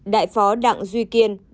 đại phó đặng duy kiên